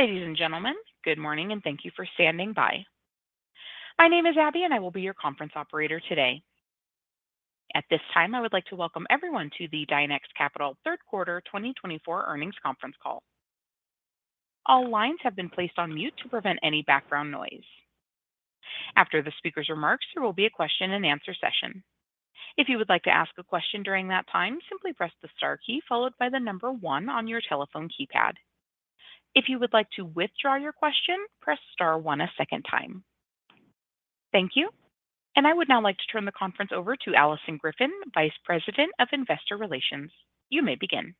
Ladies and gentlemen, good morning, and thank you for standing by. My name is Abby, and I will be your conference operator today. At this time, I would like to welcome everyone to the Dynex Capital third quarter 2024 earnings conference call. All lines have been placed on mute to prevent any background noise. After the speaker's remarks, there will be a question-and-answer session. If you would like to ask a question during that time, simply press the star key followed by the number one on your telephone keypad. If you would like to withdraw your question, press star one a second time. Thank you, and I would now like to turn the conference over to Alison Griffin, Vice President of Investor Relations. You may begin.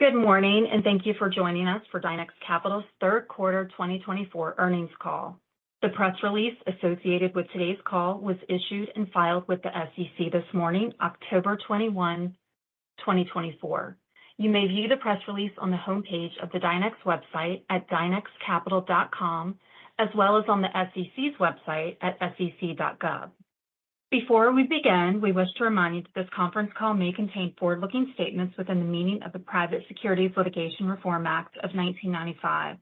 Good morning, and thank you for joining us for Dynex Capital's third quarter 2024 earnings call. The press release associated with today's call was issued and filed with the SEC this morning, October 21, 2024. You may view the press release on the homepage of the Dynex website at dynexcapital.com, as well as on the SEC's website at sec.gov. Before we begin, we wish to remind you that this conference call may contain forward-looking statements within the meaning of the Private Securities Litigation Reform Act of 1995.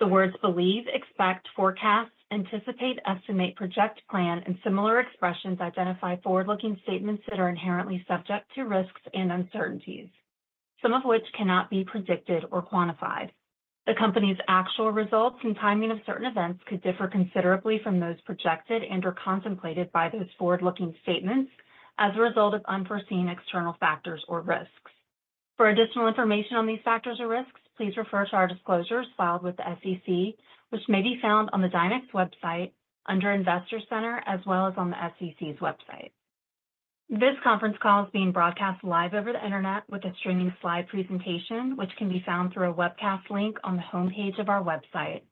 The words believe, expect, forecast, anticipate, estimate, project, plan, and similar expressions identify forward-looking statements that are inherently subject to risks and uncertainties, some of which cannot be predicted or quantified. The company's actual results and timing of certain events could differ considerably from those projected and/or contemplated by those forward-looking statements as a result of unforeseen external factors or risks. For additional information on these factors or risks, please refer to our disclosures filed with the SEC, which may be found on the Dynex website under Investor Center, as well as on the SEC's website. This conference call is being broadcast live over the internet with a streaming slide presentation, which can be found through a webcast link on the homepage of our website.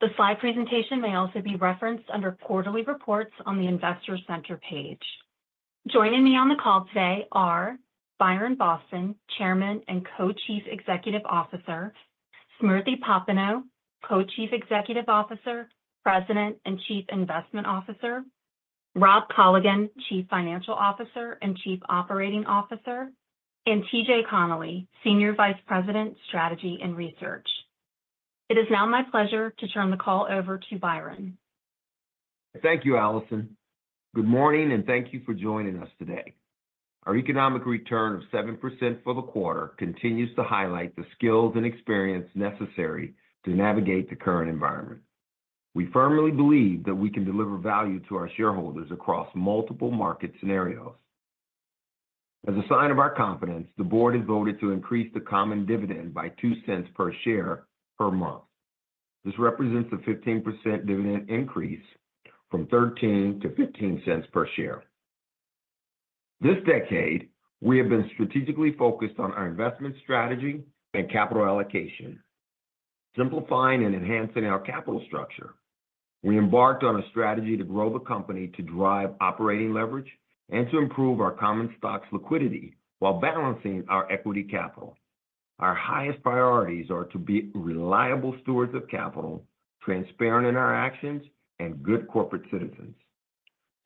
The slide presentation may also be referenced under Quarterly Reports on the Investor Center page. Joining me on the call today are Byron Boston, Chairman and Co-Chief Executive Officer, Smriti Popenoe, Co-Chief Executive Officer, President, and Chief Investment Officer, Rob Colligan, Chief Financial Officer and Chief Operating Officer, and T.J. Connelly, Senior Vice President, Strategy and Research. It is now my pleasure to turn the call over to Byron. Thank you, Alison. Good morning, and thank you for joining us today. Our economic return of 7% for the quarter continues to highlight the skills and experience necessary to navigate the current environment. We firmly believe that we can deliver value to our shareholders across multiple market scenarios. As a sign of our confidence, the board has voted to increase the common dividend by $0.02 per share per month. This represents a 15% dividend increase from $0.13 to $0.15 per share. This decade, we have been strategically focused on our investment strategy and capital allocation, simplifying and enhancing our capital structure. We embarked on a strategy to grow the company, to drive operating leverage and to improve our common stock's liquidity while balancing our equity capital. Our highest priorities are to be reliable stewards of capital, transparent in our actions, and good corporate citizens.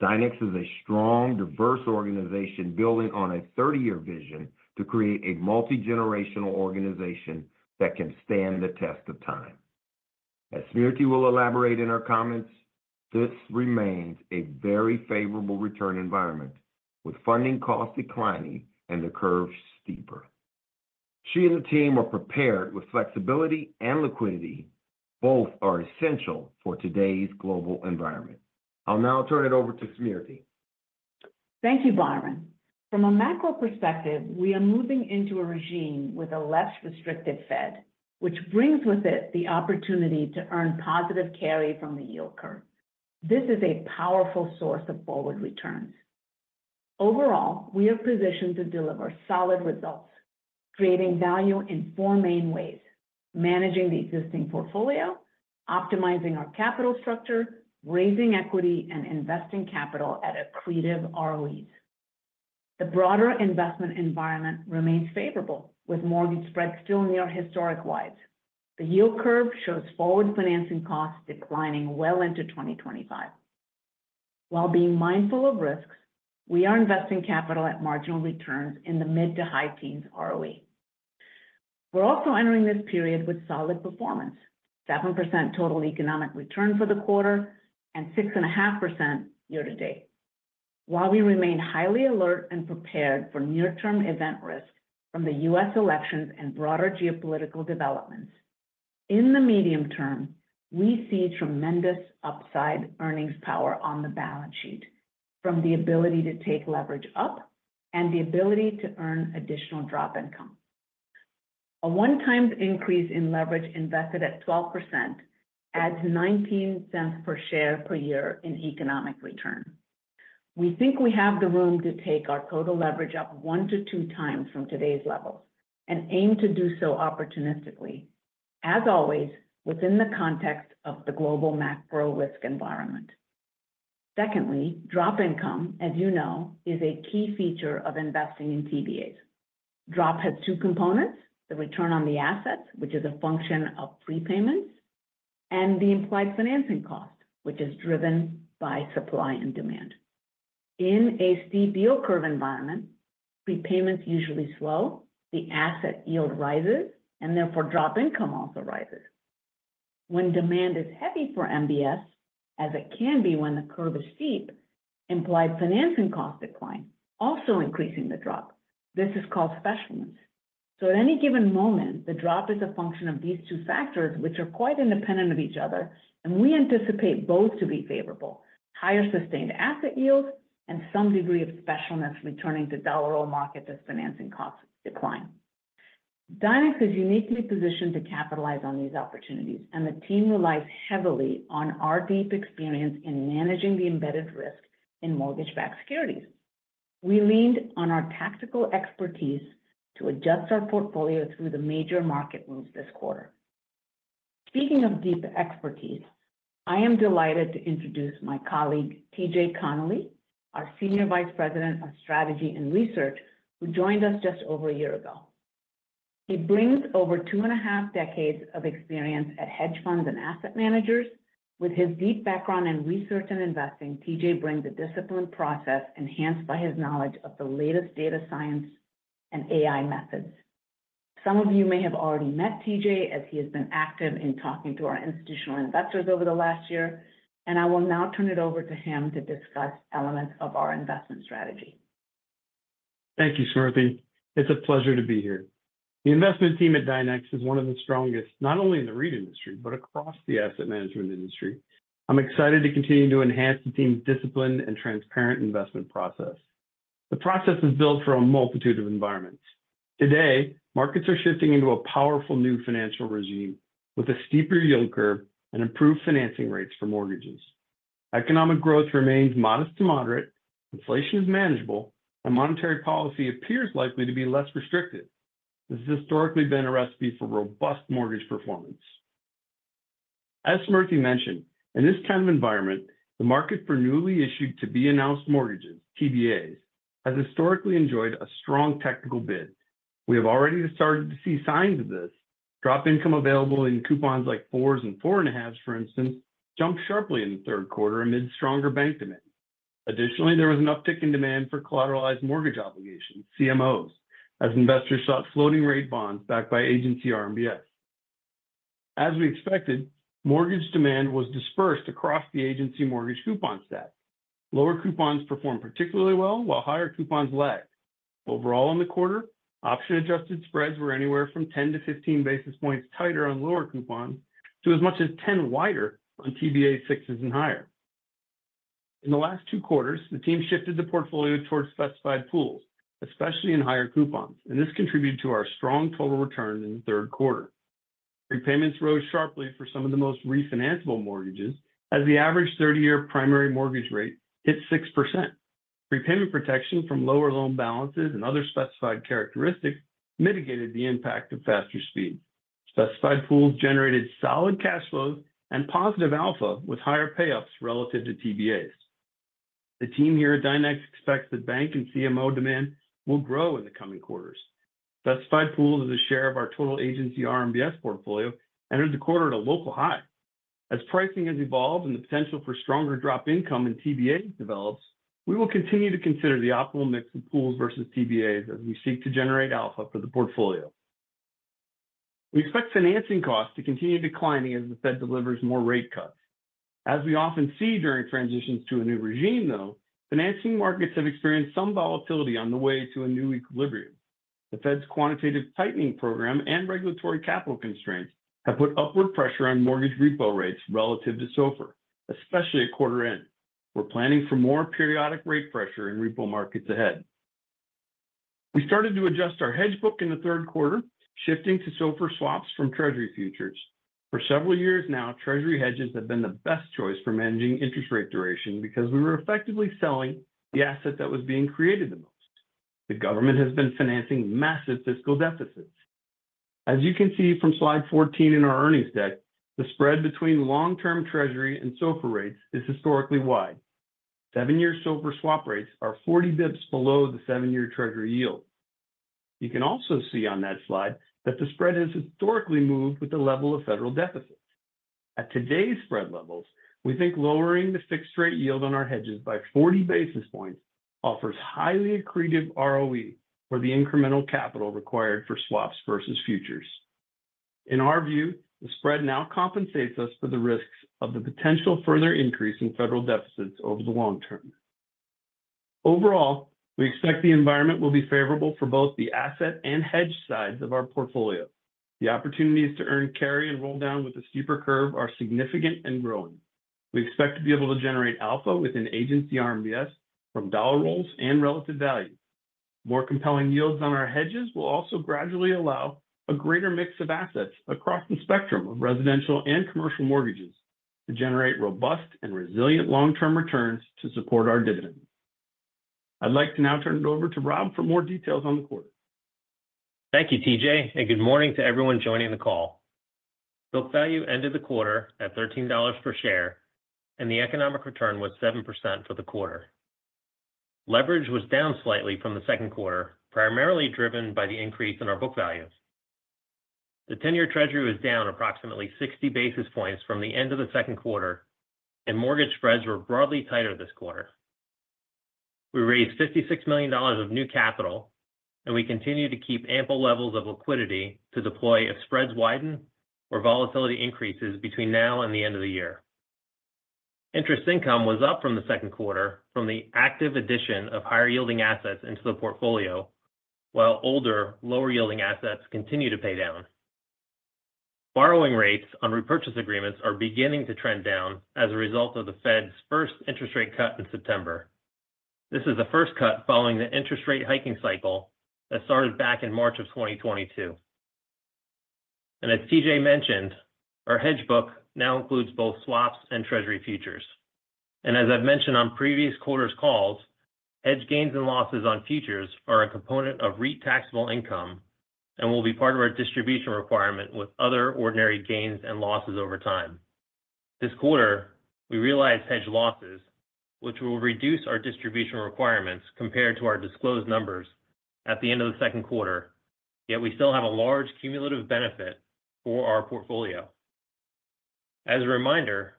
Dynex is a strong, diverse organization building on a thirty-year vision to create a multigenerational organization that can stand the test of time. As Smriti will elaborate in her comments, this remains a very favorable return environment, with funding costs declining and the curves steeper. She and the team are prepared with flexibility and liquidity. Both are essential for today's global environment. I'll now turn it over to Smriti. Thank you, Byron. From a macro perspective, we are moving into a regime with a less restrictive Fed, which brings with it the opportunity to earn positive carry from the yield curve. This is a powerful source of forward returns. Overall, we are positioned to deliver solid results, creating value in four main ways: managing the existing portfolio, optimizing our capital structure, raising equity, and investing capital at accretive ROEs. The broader investment environment remains favorable, with mortgage spreads still near historic wides. The yield curve shows forward financing costs declining well into 2025. While being mindful of risks, we are investing capital at marginal returns in the mid to high teens ROE. We're also entering this period with solid performance, 7% total economic return for the quarter and 6.5% year to date. While we remain highly alert and prepared for near-term event risks from the U.S. elections and broader geopolitical developments, in the medium term, we see tremendous upside earnings power on the balance sheet from the ability to take leverage up and the ability to earn additional drop income. A one-time increase in leverage invested at 12% adds $0.19 per share per year in economic return. We think we have the room to take our total leverage up one to 2x from today's levels and aim to do so opportunistically, as always, within the context of the global macro risk environment. Secondly, drop income, as you know, is a key feature of investing in TBAs. Drop has two components: the return on the assets, which is a function of prepayment and the implied financing cost, which is driven by supply and demand. In a steep yield curve environment, prepayments usually slow, the asset yield rises, and therefore drop income also rises. When demand is heavy for MBS, as it can be when the curve is steep, implied financing costs decline, also increasing the drop. This is called specialness. So at any given moment, the drop is a function of these two factors, which are quite independent of each other, and we anticipate both to be favorable. Higher sustained asset yields and some degree of specialness returning to dollar roll market as financing costs decline. Dynex is uniquely positioned to capitalize on these opportunities, and the team relies heavily on our deep experience in managing the embedded risk in mortgage-backed securities. We leaned on our tactical expertise to adjust our portfolio through the major market moves this quarter. Speaking of deep expertise, I am delighted to introduce my colleague, T.J. Connelly, our Senior Vice President of Strategy and Research, who joined us just over a year ago. He brings over two and a half decades of experience at hedge funds and asset managers. With his deep background in research and investing, T.J. brings a disciplined process enhanced by his knowledge of the latest data science and AI methods. Some of you may have already met T.J., as he has been active in talking to our institutional investors over the last year, and I will now turn it over to him to discuss elements of our investment strategy. Thank you, Smriti. It's a pleasure to be here. The investment team at Dynex is one of the strongest, not only in the REIT industry, but across the asset management industry. I'm excited to continue to enhance the team's discipline and transparent investment process. The process is built for a multitude of environments. Today, markets are shifting into a powerful new financial regime, with a steeper yield curve and improved financing rates for mortgages. Economic growth remains modest to moderate, inflation is manageable, and monetary policy appears likely to be less restrictive. This has historically been a recipe for robust mortgage performance. As Smriti mentioned, in this kind of environment, the market for newly issued to be announced mortgages, TBAs, has historically enjoyed a strong technical bid. We have already started to see signs of this. Drop income available in coupons like 4s and 4.5s, for instance, jumped sharply in the third quarter amid stronger bank demand. Additionally, there was an uptick in demand for collateralized mortgage obligations, CMOs, as investors sought floating rate bonds backed by Agency RMBS. As we expected, mortgage demand was dispersed across the Agency mortgage coupon set. Lower coupons performed particularly well, while higher coupons lagged. Overall, in the quarter, option-adjusted spreads were anywhere from 10-15 basis points tighter on lower coupons, to as much as 10 wider on TBA 6s and higher. In the last two quarters, the team shifted the portfolio towards specified pools, especially in higher coupons, and this contributed to our strong total return in the third quarter. Prepayments rose sharply for some of the most refinanceable mortgages, as the average 30-year primary mortgage rate hit 6%. Repayment protection from lower loan balances and other specified characteristics mitigated the impact of faster speed. Specified pools generated solid cash flows and positive alpha, with higher payups relative to TBAs. The team here at Dynex expects that bank and CMO demand will grow in the coming quarters. Specified pools as a share of our total Agency RMBS portfolio entered the quarter at a local high. As pricing has evolved and the potential for stronger drop income in TBA develops, we will continue to consider the optimal mix of pools versus TBAs as we seek to generate alpha for the portfolio. We expect financing costs to continue declining as the Fed delivers more rate cuts. As we often see during transitions to a new regime, though, financing markets have experienced some volatility on the way to a new equilibrium. The Fed's quantitative tightening program and regulatory capital constraints have put upward pressure on mortgage repo rates relative to SOFR, especially at quarter end. We're planning for more periodic rate pressure in repo markets ahead. We started to adjust our hedge book in the third quarter, shifting to SOFR swaps from Treasury futures. For several years now, Treasury hedges have been the best choice for managing interest rate duration because we were effectively selling the asset that was being created the most. The government has been financing massive fiscal deficits. As you can see from Slide 14 in our earnings deck, the spread between long-term Treasury and SOFR rates is historically wide. Seven-year SOFR swap rates are 40 bps below the seven-year Treasury yield. You can also see on that slide that the spread has historically moved with the level of federal deficits. At today's spread levels, we think lowering the fixed rate yield on our hedges by 40 basis points offers highly accretive ROE for the incremental capital required for swaps versus futures. In our view, the spread now compensates us for the risks of the potential further increase in federal deficits over the long term. Overall, we expect the environment will be favorable for both the asset and hedge sides of our portfolio. The opportunities to earn, carry, and roll down with the steeper curve are significant and growing. We expect to be able to generate alpha within Agency RMBS from dollar rolls and relative value. More compelling yields on our hedges will also gradually allow a greater mix of assets across the spectrum of residential and commercial mortgages to generate robust and resilient long-term returns to support our dividend. I'd like to now turn it over to Rob for more details on the quarter. Thank you, T.J., and good morning to everyone joining the call. Book value ended the quarter at $13 per share, and the economic return was 7% for the quarter leverage was down slightly from the second quarter, primarily driven by the increase in our book values. The 10-year Treasury was down approximately 60 basis points from the end of the second quarter, and mortgage spreads were broadly tighter this quarter. We raised $56 million of new capital, and we continue to keep ample levels of liquidity to deploy if spreads widen or volatility increases between now and the end of the year. Interest income was up from the second quarter from the active addition of higher-yielding assets into the portfolio, while older, lower-yielding assets continue to pay down. Borrowing rates on repurchase agreements are beginning to trend down as a result of the Fed's first interest rate cut in September. This is the first cut following the interest rate hiking cycle that started back in March of 2022. As T.J. mentioned, our hedge book now includes both swaps and Treasury futures. As I've mentioned on previous quarters calls, hedge gains and losses on futures are a component of REIT taxable income and will be part of our distribution requirement with other ordinary gains and losses over time. This quarter, we realized hedge losses, which will reduce our distribution requirements compared to our disclosed numbers at the end of the second quarter, yet we still have a large cumulative benefit for our portfolio. As a reminder,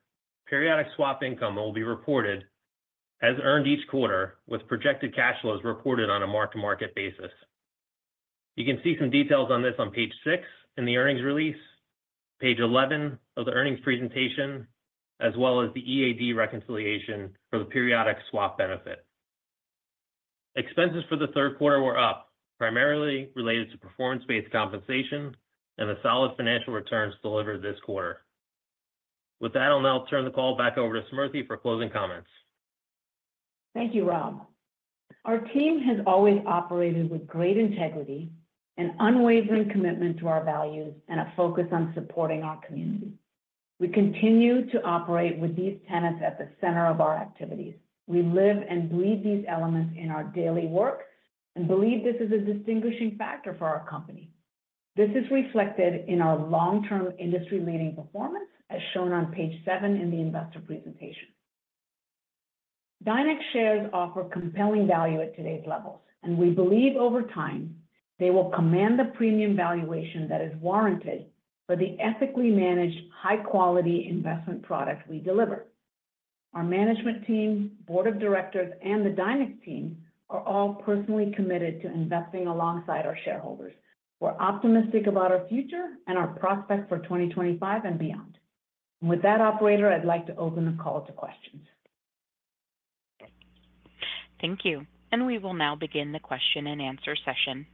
periodic swap income will be reported as earned each quarter, with projected cash flows reported on a mark-to-market basis. You can see some details on this on Page 6 in the earnings release, Page 11 of the earnings presentation, as well as the EAD reconciliation for the periodic swap benefit. Expenses for the third quarter were up, primarily related to performance-based compensation and the solid financial returns delivered this quarter. With that, I'll now turn the call back over to Smriti for closing comments. Thank you, Rob. Our team has always operated with great integrity and unwavering commitment to our values and a focus on supporting our community. We continue to operate with these tenets at the center of our activities. We live and breathe these elements in our daily work and believe this is a distinguishing factor for our company. This is reflected in our long-term industry-leading performance, as shown on Page 7 in the investor presentation. Dynex shares offer compelling value at today's levels, and we believe over time, they will command the premium valuation that is warranted for the ethically managed, high-quality investment product we deliver. Our management team, board of directors, and the Dynex team are all personally committed to investing alongside our shareholders. We're optimistic about our future and our prospects for 2025 and beyond. With that, operator, I'd like to open the call to questions. Thank you, and we will now begin the question-and-answer session.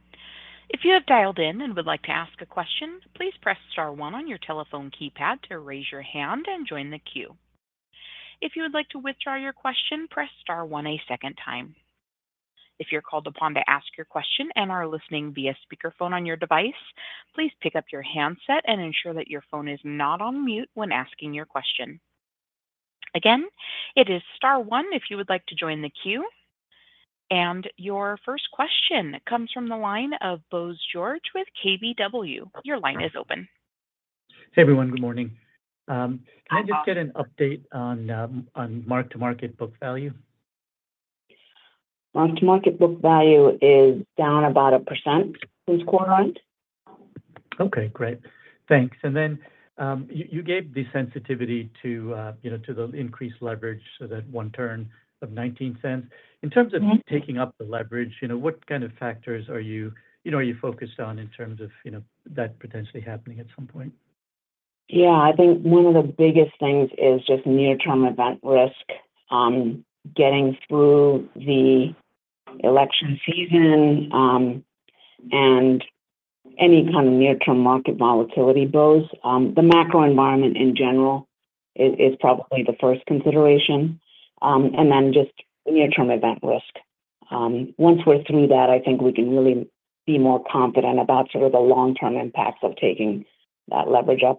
If you have dialed in and would like to ask a question, please press star one on your telephone keypad to raise your hand and join the queue. If you would like to withdraw your question, press star one a second time. If you're called upon to ask your question and are listening via speakerphone on your device, please pick up your handset and ensure that your phone is not on mute when asking your question. Again, it is star one if you would like to join the queue, and your first question comes from the line of Bose George with KBW. Your line is open. Hey, everyone. Good morning. Can I just get an update on mark-to-market book value? Mark-to-market book value is down about 1% this quarter. Okay, great. Thanks. And then, you gave the sensitivity to, you know, to the increased leverage, so that one turn of $0.19. In terms of taking up the leverage, you know, what kind of factors are you you know focused on in terms of, you know, that potentially happening at some point? Yeah, I think one of the biggest things is just near-term event risk, getting through the election season, and any kind of near-term market volatility, Bose. The macro environment in general is probably the first consideration, and then just near-term event risk. Once we're through that, I think we can really be more confident about sort of the long-term impacts of taking that leverage up.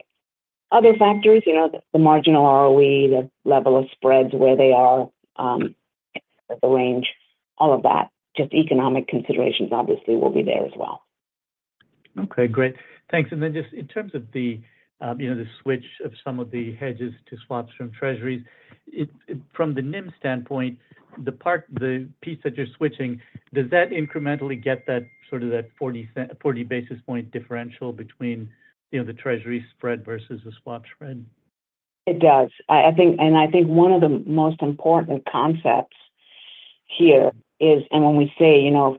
Other factors, you know, the marginal ROE, the level of spreads, where they are, the range, all of that, just economic considerations obviously will be there as well. Okay, great. Thanks. And then just in terms of the, you know, the switch of some of the hedges to swaps from Treasuries, from the NIM standpoint, the piece that you're switching, does that incrementally get that, sort of that forty basis point differential between, you know, the Treasury spread versus the swap spread? It does. I think one of the most important concepts here is, and when we say, you know,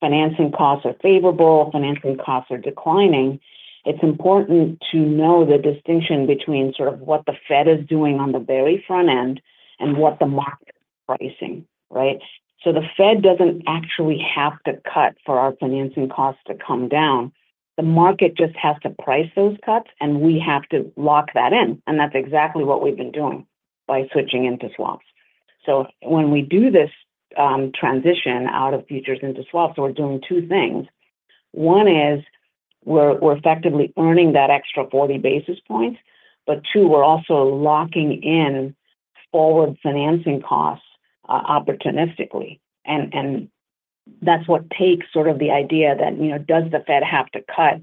financing costs are favorable, financing costs are declining. It's important to know the distinction between sort of what the Fed is doing on the very front end and what the market pricing, right? So the Fed doesn't actually have to cut for our financing costs to come down. The market just has to price those cuts, and we have to lock that in, and that's exactly what we've been doing by switching into swaps. So when we do this, transition out of futures into swaps, we're doing two things. One is, we're effectively earning that extra forty basis points, but two, we're also locking in forward financing costs opportunistically. That's what takes sort of the idea that, you know, does the Fed have to cut?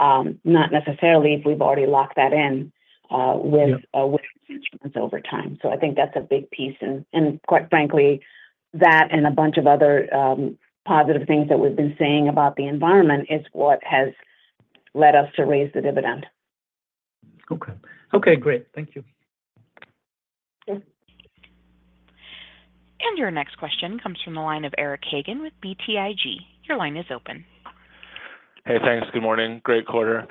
Not necessarily if we've already locked that in, with over time. So I think that's a big piece, and quite frankly, that and a bunch of other positive things that we've been saying about the environment is what has led us to raise the dividend. Okay. Okay, great. Thank you. Sure. Your next question comes from the line of Eric Hagen with BTIG. Your line is open. Hey, thanks. Good morning. Great quarter.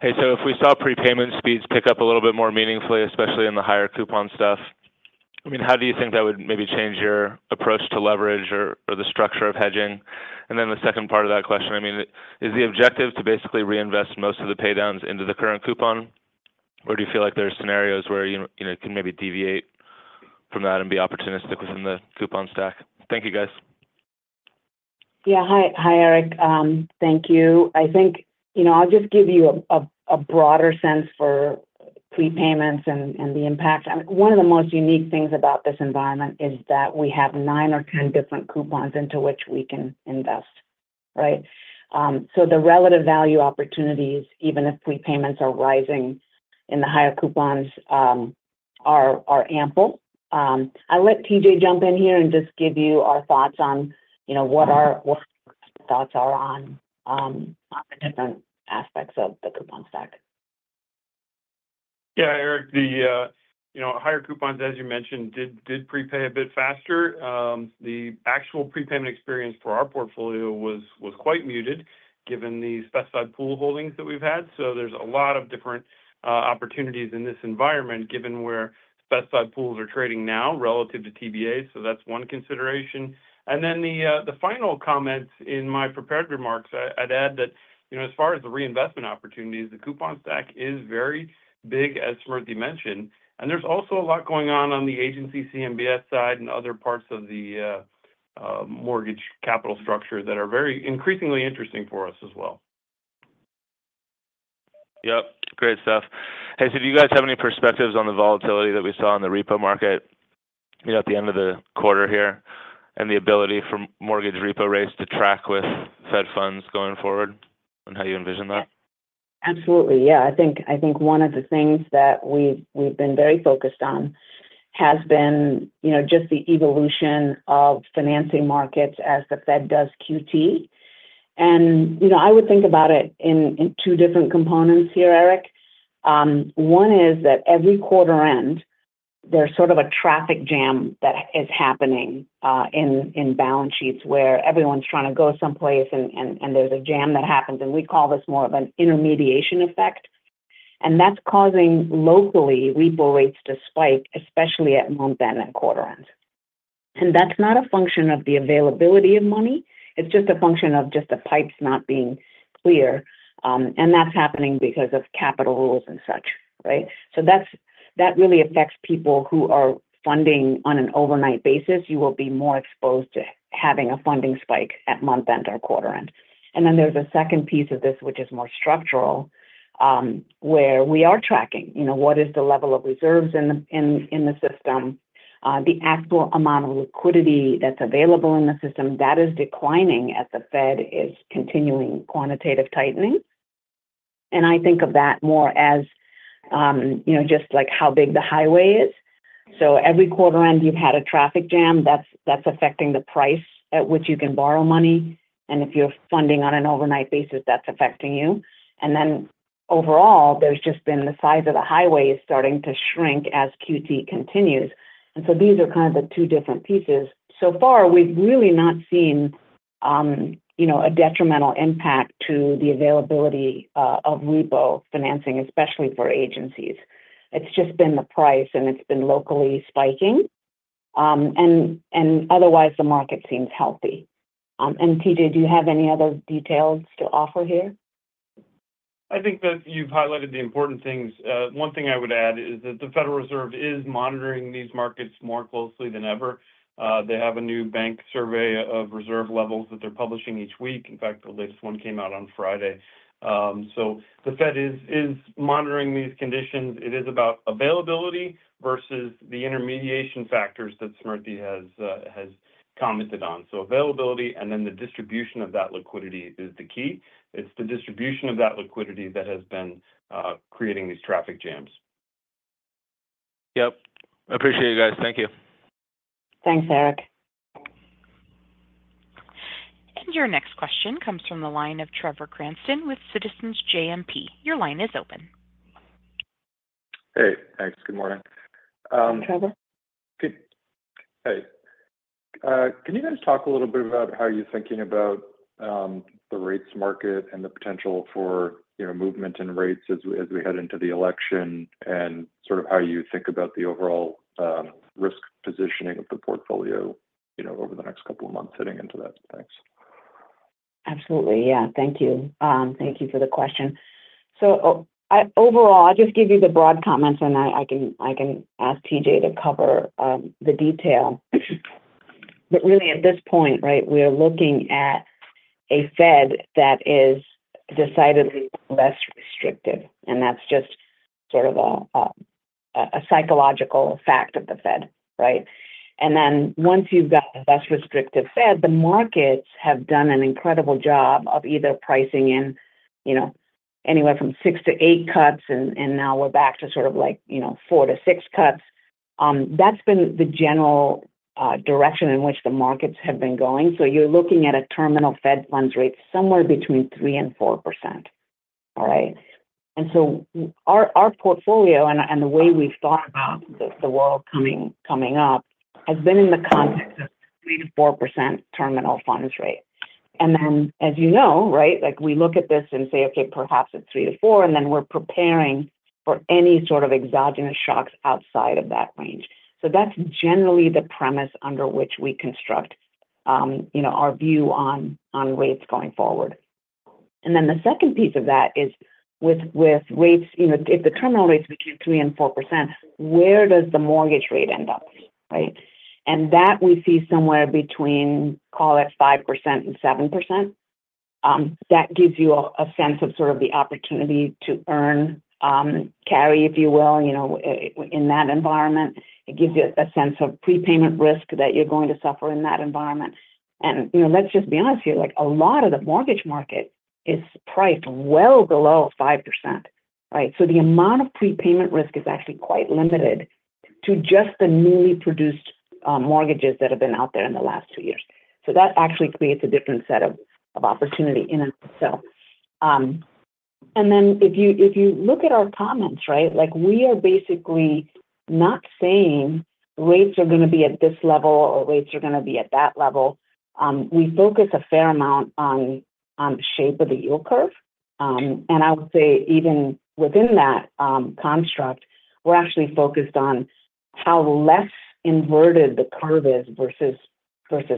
Hey, so if we saw prepayment speeds pick up a little bit more meaningfully, especially in the higher coupon stuff, I mean, how do you think that would maybe change your approach to leverage or the structure of hedging? And then the second part of that question, I mean, is the objective to basically reinvest most of the paydowns into the current coupon, or do you feel like there are scenarios where you know, can maybe deviate from that and be opportunistic within the coupon stack? Thank you, guys. Yeah. Hi. Hi, Eric. Thank you. I think, you know, I'll just give you a broader sense for prepayments and the impact. One of the most unique things about this environment is that we have nine or 10 different coupons into which we can invest, right? So the relative value opportunities, even if prepayments are rising in the higher coupons, are ample. I'll let T.J. jump in here and just give you our thoughts on, you know, what thoughts are on the different aspects of the coupon stack. Yeah, Eric, the, you know, higher coupons, as you mentioned, did prepay a bit faster. The actual prepayment experience for our portfolio was quite muted given the specified pool holdings that we've had. So there's a lot of different opportunities in this environment, given where specified pools are trading now relative to TBA. So that's one consideration. And then the final comment in my prepared remarks, I'd add that, you know, as far as the reinvestment opportunities, the coupon stack is very big, as Smriti mentioned, and there's also a lot going on on the Agency CMBS side and other parts of the mortgage capital structure that are very increasingly interesting for us as well. Yep. Great stuff. Hey, so do you guys have any perspectives on the volatility that we saw in the repo market, you know, at the end of the quarter here, and the ability for mortgage repo rates to track with Fed funds going forward and how you envision that? Absolutely. Yeah. I think, I think one of the things that we've, we've been very focused on has been, you know, just the evolution of financing markets as the Fed does QT. And, you know, I would think about it in two different components here, Eric. One is that every quarter end, there's sort of a traffic jam that is happening in balance sheets, where everyone's trying to go someplace and there's a jam that happens, and we call this more of an intermediation effect. And that's causing locally repo rates to spike, especially at month-end and quarter end. And that's not a function of the availability of money, it's just a function of just the pipes not being clear. And that's happening because of capital rules and such, right? So that's. That really affects people who are funding on an overnight basis. You will be more exposed to having a funding spike at month-end or quarter end. And then there's a second piece of this, which is more structural, where we are tracking, you know, what is the level of reserves in the system? The actual amount of liquidity that's available in the system, that is declining as the Fed is continuing quantitative tightening. And I think of that more as, you know, just like how big the highway is. So every quarter end, you've had a traffic jam that's affecting the price at which you can borrow money, and if you're funding on an overnight basis, that's affecting you. And then overall, there's just been the size of the highway is starting to shrink as QT continues. And so these are kind of the two different pieces. So far, we've really not seen, you know, a detrimental impact to the availability of repo financing, especially for agencies. It's just been the price, and it's been locally spiking, and otherwise, the market seems healthy, and T.J., do you have any other details to offer here? I think that you've highlighted the important things. One thing I would add is that the Federal Reserve is monitoring these markets more closely than ever. They have a new bank survey of reserve levels that they're publishing each week. In fact, the latest one came out on Friday, so the Fed is monitoring these conditions. It is about availability versus the intermediation factors that Smriti has commented on, so availability and then the distribution of that liquidity is the key. It's the distribution of that liquidity that has been creating these traffic jams. Yep. Appreciate it, guys. Thank you. Thanks, Eric. And your next question comes from the line of Trevor Cranston with Citizens JMP. Your line is open. Hey, thanks. Good morning. Trevor. Good. Hey. Can you guys talk a little bit about how you're thinking about the rates market and the potential for, you know, movement in rates as we head into the election, and sort of how you think about the overall risk positioning of the portfolio over the next couple of months heading into that? Thanks. Absolutely. Yeah. Thank you. Thank you for the question. So overall, I'll just give you the broad comments, and I can ask T.J. to cover the detail. But really, at this point, right, we are looking at a Fed that is decidedly less restrictive, and that's just sort of a psychological fact of the Fed, right? And then once you've got a less restrictive Fed, the markets have done an incredible job of either pricing in, you know, anywhere from six to eight cuts, and now we're back to sort of like, you know, four to six cuts. That's been the general direction in which the markets have been going. So you're looking at a terminal Fed funds rate somewhere between 3% and 4%. All right? Our portfolio and the way we've thought about the world coming up has been in the context of 3%-4% terminal funds rate. And then, as you know, right, like, we look at this and say, "Okay, perhaps it's 3%-4%," and then we're preparing for any sort of exogenous shocks outside of that range. So that's generally the premise under which we construct, you know, our view on rates going forward. And then the second piece of that is with rates, you know, if the terminal rate is between 3%-4%, where does the mortgage rate end up, right? And that we see somewhere between, call it, 5% and 7%. That gives you a sense of sort of the opportunity to earn carry, if you will, you know, in that environment. It gives you a sense of prepayment risk that you're going to suffer in that environment. And, you know, let's just be honest here, like, a lot of the mortgage market is priced well below 5%, right? So the amount of prepayment risk is actually quite limited to just the newly produced mortgages that have been out there in the last two years. So that actually creates a different set of opportunity in itself. And then if you look at our comments, right, like, we are basically not saying rates are gonna be at this level or rates are gonna be at that level. We focus a fair amount on the shape of the yield curve. And I would say even within that construct, we're actually focused on how less inverted the curve is versus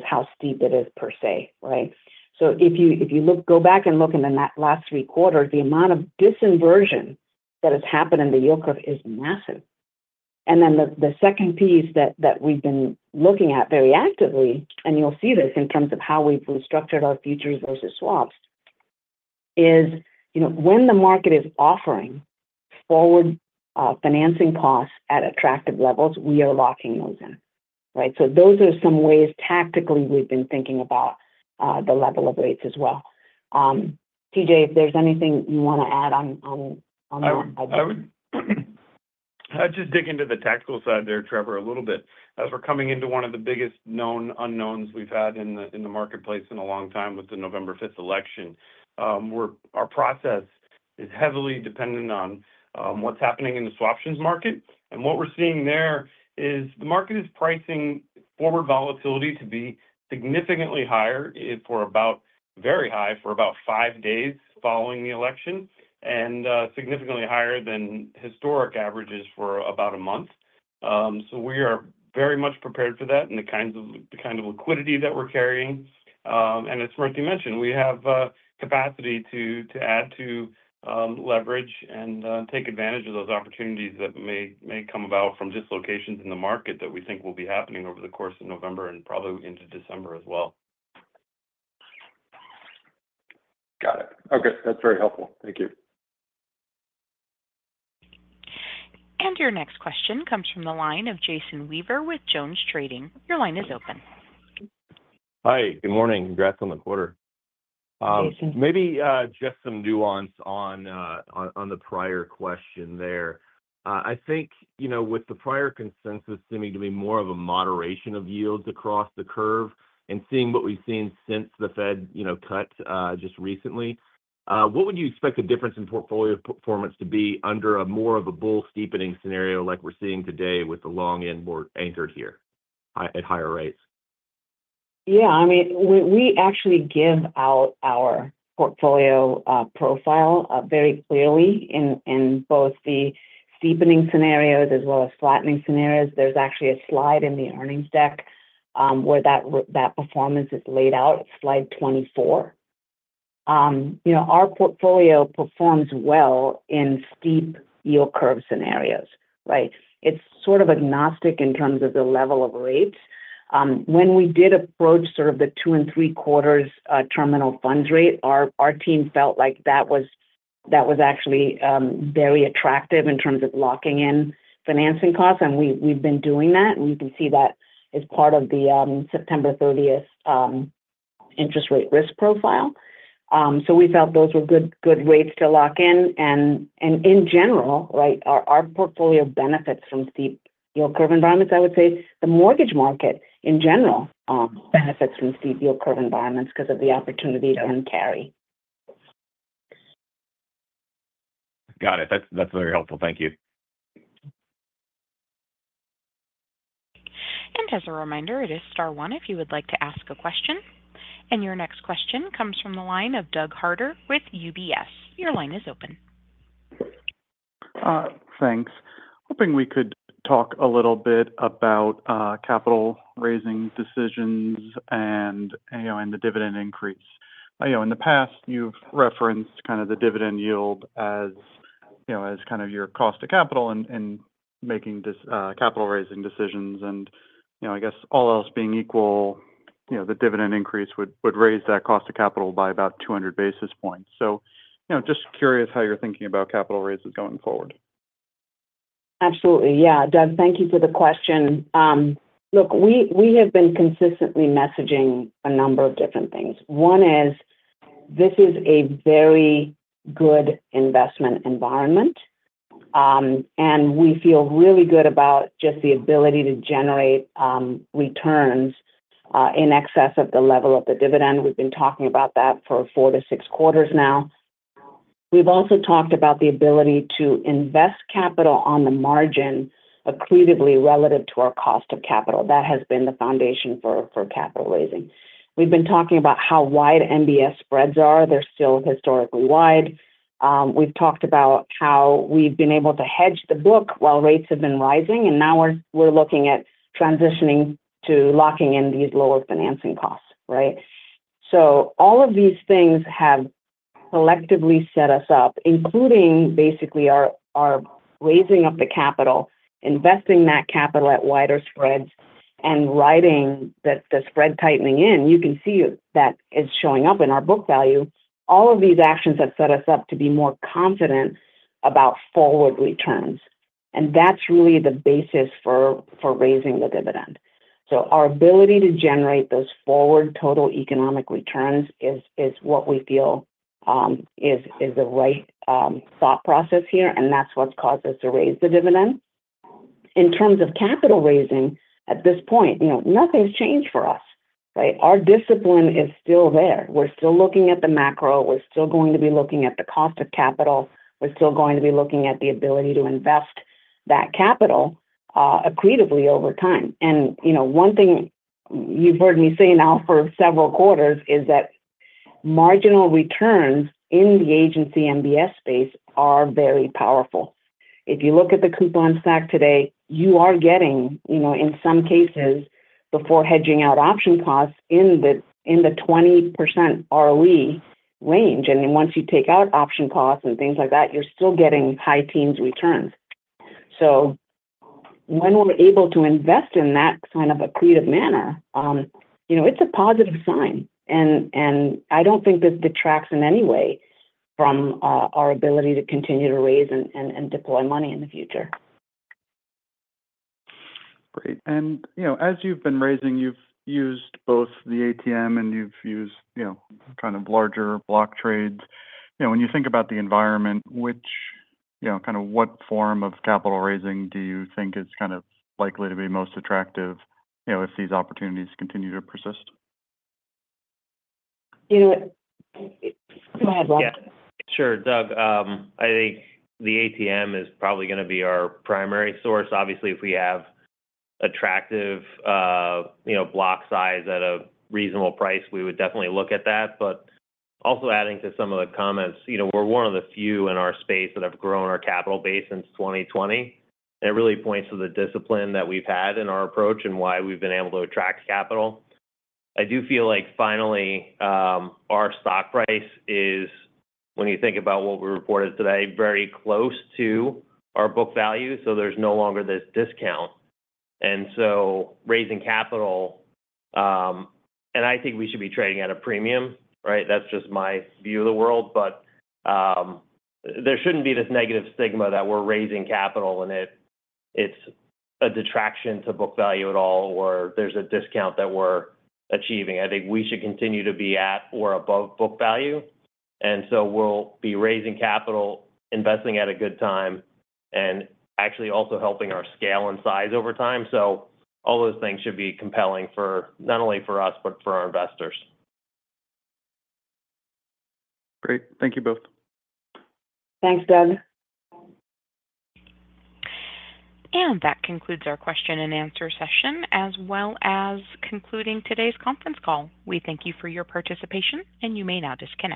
how steep it is per se, right? So if you look back and look in the last three quarters, the amount of disinversion that has happened in the yield curve is massive. And then the second piece that we've been looking at very actively, and you'll see this in terms of how we've restructured our futures versus swaps, is, you know, when the market is offering forward financing costs at attractive levels, we are locking those in, right? So those are some ways tactically we've been thinking about the level of rates as well. T.J., if there's anything you wanna add on that? I would just dig into the tactical side there, Trevor, a little bit. As we're coming into one of the biggest known unknowns we've had in the marketplace in a long time with the November 5th election, our process is heavily dependent on what's happening in the swaptions market, and what we're seeing there is the market is pricing forward volatility to be significantly higher, very high, for about five days following the election, and significantly higher than historic averages for about a month, so we are very much prepared for that and the kind of liquidity that we're carrying. And as Smriti mentioned, we have capacity to add to leverage and take advantage of those opportunities that may come about from dislocations in the market that we think will be happening over the course of November and probably into December as well. Got it. Okay, that's very helpful. Thank you. Your next question comes from the line of Jason Weaver with JonesTrading. Your line is open. Hi, good morning. Congrats on the quarter. Thank you. Maybe just some nuance on the prior question there. I think, you know, with the prior consensus seeming to be more of a moderation of yields across the curve, and seeing what we've seen since the Fed, you know, cut just recently, what would you expect the difference in portfolio performance to be under a more of a bull steepening scenario like we're seeing today with the long end more anchored here at higher rates? Yeah, I mean, we actually give out our portfolio profile very clearly in both the steepening scenarios as well as flattening scenarios. There's actually a slide in the earnings deck, where that performance is laid out. Slide 24. You know, our portfolio performs well in steep yield curve scenarios, right? It's sort of agnostic in terms of the level of rates. When we did approach sort of the two and three-quarters terminal funds rate, our team felt like that was actually very attractive in terms of locking in financing costs, and we've been doing that. And you can see that as part of the September 30th interest rate risk profile. So we felt those were good rates to lock in. In general, right, our portfolio benefits from steep yield curve environments. I would say the mortgage market, in general, benefits from steep yield curve environments because of the opportunity to earn carry. Got it. That's very helpful. Thank you. As a reminder, it is star one if you would like to ask a question. Your next question comes from the line of Doug Harter with UBS. Your line is open. Thanks. Hoping we could talk a little bit about capital raising decisions and, you know, and the dividend increase. You know, in the past, you've referenced kind of the dividend yield as, you know, as kind of your cost to capital and making this capital-raising decisions. You know, I guess all else being equal, the dividend increase would raise that cost of capital by about 200 basis points. So, you know, just curious how you're thinking about capital raises going forward? Absolutely. Yeah, Doug, thank you for the question. Look, we have been consistently messaging a number of different things. One is, this is a very good investment environment, and we feel really good about just the ability to generate returns in excess of the level of the dividend. We've been talking about that for four to six quarters now. We've also talked about the ability to invest capital on the margin, accretively relative to our cost of capital. That has been the foundation for capital raising. We've been talking about how wide MBS spreads are. They're still historically wide. We've talked about how we've been able to hedge the book while rates have been rising, and now we're looking at transitioning to locking in these lower financing costs, right? So all of these things have collectively set us up, including basically our raising of the capital, investing that capital at wider spreads, and riding the spread tightening in. You can see that is showing up in our book value. All of these actions have set us up to be more confident about forward returns, and that's really the basis for raising the dividend. So our ability to generate those forward total economic returns is what we feel is the right thought process here, and that's what's caused us to raise the dividend. In terms of capital raising, at this point, you know, nothing's changed for us, right? Our discipline is still there. We're still looking at the macro. We're still going to be looking at the cost of capital. We're still going to be looking at the ability to invest that capital accretively over time. And, you know, one thing you've heard me say now for several quarters is that marginal returns in the agency MBS space are very powerful. If you look at the coupon stack today, you are getting, you know, in some cases, before hedging out option costs, in the 20% ROE range. And then once you take out option costs and things like that, you're still getting high teens returns. So when we're able to invest in that kind of accretive manner, you know, it's a positive sign. And I don't think this detracts in any way from our ability to continue to raise and deploy money in the future. Great and, you know, as you've been raising, you've used both the ATM and you've used, you know, kind of larger block trades. You know, when you think about the environment, which, you know, kind of what form of capital raising do you think is kind of likely to be most attractive, you know, if these opportunities continue to persist? You know it... Go ahead, Rob. Yeah, sure, Doug. I think the ATM is probably gonna be our primary source. Obviously, if we have attractive, you know, block size at a reasonable price, we would definitely look at that. But also adding to some of the comments, you know, we're one of the few in our space that have grown our capital base since 2020, and it really points to the discipline that we've had in our approach and why we've been able to attract capital. I do feel like finally, our stock price is, when you think about what we reported today, very close to our book value, so there's no longer this discount. And so raising capital. And I think we should be trading at a premium, right? That's just my view of the world. But, there shouldn't be this negative stigma that we're raising capital, and it's a detraction to book value at all, or there's a discount that we're achieving. I think we should continue to be at or above book value, and so we'll be raising capital, investing at a good time, and actually also helping our scale and size over time. So all those things should be compelling for, not only for us, but for our investors. Great. Thank you both. Thanks, Doug. And that concludes our question and answer session, as well as concluding today's conference call. We thank you for your participation, and you may now disconnect.